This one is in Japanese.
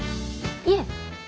いえ。